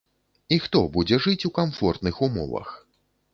І хто будзе жыць у камфортных умовах?